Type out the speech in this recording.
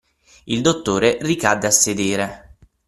Il dottore ricadde a sedere.